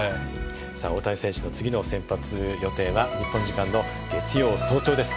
さあ大谷選手の次の先発予定は日本時間の月曜早朝です。